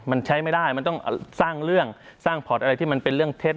มันใช้ไม่ได้มันต้องสร้างเรื่องสร้างพอร์ตอะไรที่มันเป็นเรื่องเท็จ